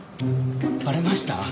バレました？